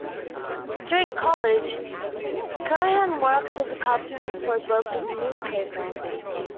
During college, Cohen worked as a cartoonist for his local newspaper.